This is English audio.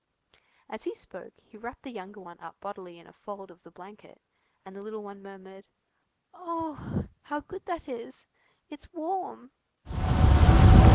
As he spoke, he wrapped the younger one up bodily in a fold of the blanket, and the little one murmured:— "Oh! how good that is! It's warm!"